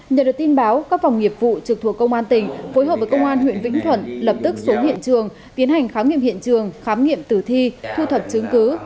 nhờ được tin báo các phòng nghiệp vụ trực thuộc công an tỉnh phối hợp với công an huyện vĩnh thuận lập tức xuống hiện trường tiến hành khám nghiệm hiện trường khám nghiệm tử thi thu thập chứng cứ